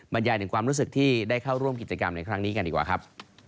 บรรยายถึงความรู้สึกที่ได้เข้าร่วมกิจกรรมในครั้งนี้กันดีกว่าครับ